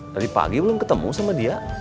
tadi pagi belum ketemu sama dia